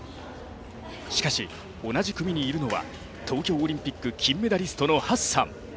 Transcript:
しかし、同じ組にいるのは東京オリンピック金メダリストのハッサン。